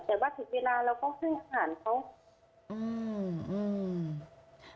แต่ว่าถึงเวลาเราก็ให้อาหารเขาอืม